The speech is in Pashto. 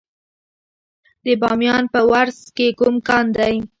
د بامیان په ورس کې کوم کان دی؟